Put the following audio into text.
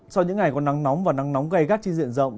sau những ngày có nắng nóng và nắng nóng gây gắt trên diện rộng